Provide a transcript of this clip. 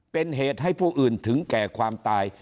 เป็นเหตุให้ผู้อื่นถึงแก่ความตาย